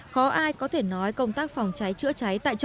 khó ai có thể nói công tác phòng cháy chữa cháy